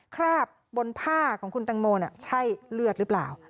คราบบนผ้าของคุณตังโมใช่เลือดหรือเปล่า